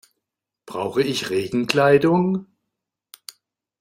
Brauche ich Regenkleidung?